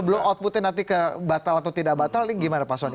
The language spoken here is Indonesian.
belum outputnya nanti ke batal atau tidak batal ini gimana pak soni